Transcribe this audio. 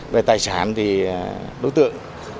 về tài sản thì đối tượng